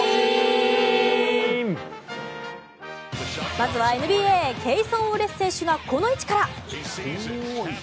まずはＮＢＡケイソン・ウォレス選手がこの位置から。